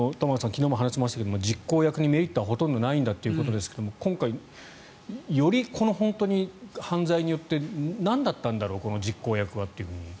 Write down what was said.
昨日も話しましたが実行役にメリットはほとんどないということですが今回、よりこの犯罪によってなんだったんだろうこの実行犯はという。